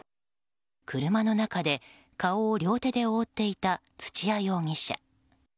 車の中で顔を両手で覆っていた土屋容疑者。